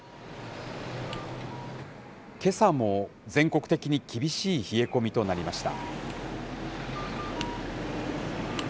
けさも全国的に厳しい冷え込みとなりました。